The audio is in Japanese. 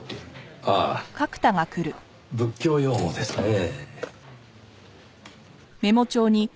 ああ仏教用語ですねぇ。